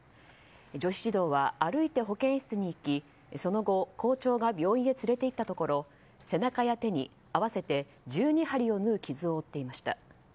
女子児童は歩いて保健室に行きその後、校長が病院へ連れて行ったところ背中や手に合わせて１２針を縫う傷を負っていました。